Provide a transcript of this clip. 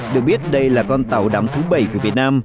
được biết đây là con tàu đắm thứ bảy của việt nam